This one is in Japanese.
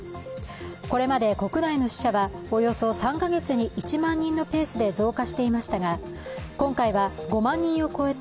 これまで国内の死者はおよそ３か月に１万人のペースで増加していましたが今回は５万人を超えた